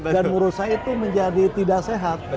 dan menurut saya itu menjadi tidak sehat